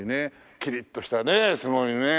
キリッとしたねすごいね。